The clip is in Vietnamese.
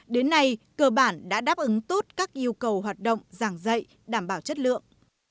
đến nay cơ bản đã đáp ứng tốt các yêu cầu hoạt động giảng dạy đảm bảo chất lượng